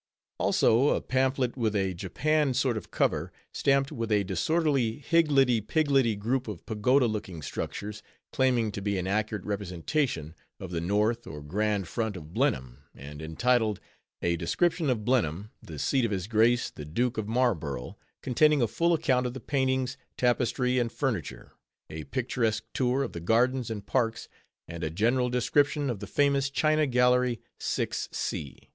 _ Also a pamphlet, with a japanned sort of cover, stamped with a disorderly higgledy piggledy group of pagoda looking structures, claiming to be an accurate representation of the "North or Grand Front of Blenheim," and entitled, "A _Description of Blenheim, the Seat of His Grace the Duke of Marlborough; containing a full account of the Paintings, Tapestry, and Furniture: a Picturesque Tour of the Gardens and Parks, and a General Description of the famous China Gallery,_ &.